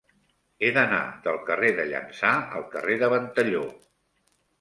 He d'anar del carrer de Llança al carrer de Ventalló.